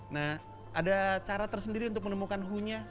nah ada cara tersendiri untuk menemukan hoo nya